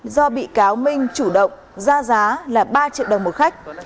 do bị cáo minh chủ động ra giá là ba triệu đồng một khách